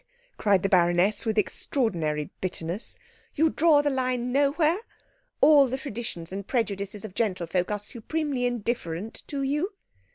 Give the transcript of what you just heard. cried the baroness with extraordinary bitterness. "You draw the line nowhere? All the traditions and prejudices of gentlefolk are supremely indifferent to you?"